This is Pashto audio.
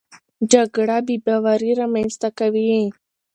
جګړه بېباوري رامنځته کوي.